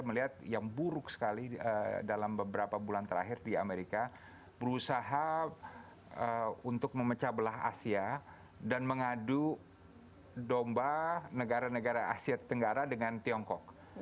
saya melihat yang buruk sekali dalam beberapa bulan terakhir di amerika berusaha untuk memecah belah asia dan mengadu domba negara negara asia tenggara dengan tiongkok